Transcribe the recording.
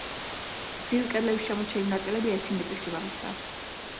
გრძივი კედლების შემორჩენილი ნაწილები ერთი მეტრის სიმაღლისაა.